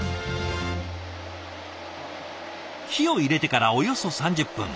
火を入れてからおよそ３０分。